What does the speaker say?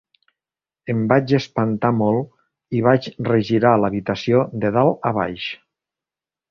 Em vaig espantar molt i vaig regirar l'habitació de dalt a baix.